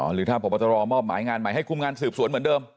หรือถ้าพบรมงให้คุมงานสืบสวนเหมือนเดิม